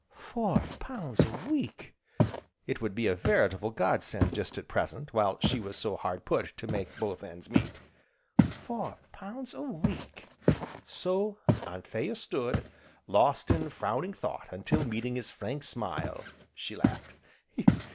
Four pounds a week! It would be a veritable God send just at present, while she was so hard put to it to make both ends meet. Four pounds a week! So Anthea stood, lost in frowning thought until meeting his frank smile, she laughed.